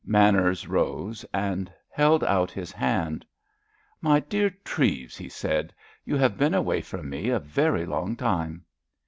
Manners rose and held out his hand. "My dear Treves," he said, "you have been away from me a very long time."